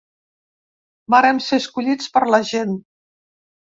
Vàrem ser escollits per la gent.